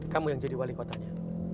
kamu yang jadi wali kotanya